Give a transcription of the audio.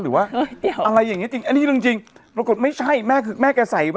อ๋อแล้วไม่รู้เห็นครึ่งตัว